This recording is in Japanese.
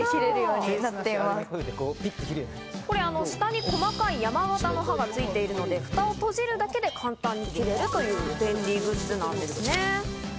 これ、下に細かい山形の刃がついているのでフタを閉じるだけで、簡単に切れるという便利グッズなんですね。